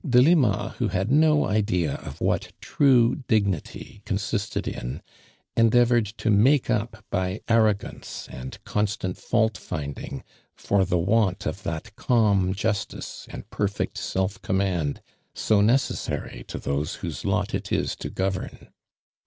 Dolima who h:id no idea of what true dignity con l^rsted in, endeuvonnl to make up by a rro gtmct^ and constant faidt tinding fo* the want of that calm Justice and perfect self <^omniand so necessary to those whose lot it is to govern.